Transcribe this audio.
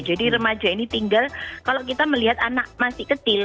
jadi remaja ini tinggal kalau kita melihat anak masih kecil